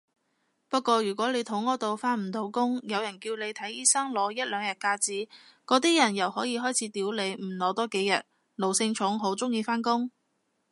不過如果你肚痾到返唔到工，有人叫你睇醫生攞一兩日假紙，嗰啲人又可以開始屌你唔攞多幾日，奴性重好鍾意返工？